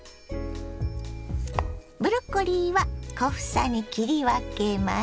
ブロッコリーは小房に切り分けます。